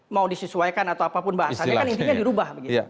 mau disesuaikan atau apapun bahasanya kan intinya dirubah begitu